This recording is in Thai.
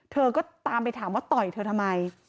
เธอก็ตามไปถามว่าต่อยเธอทำไม